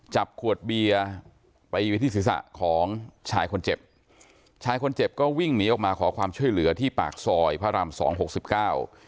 จับขวดเบียร์ไปไว้ที่ศีรษะของชายคนเจ็บชายคนเจ็บก็วิ่งหนีออกมาขอความช่วยเหลือที่ปากซอยพระรามสองหกสิบเก้า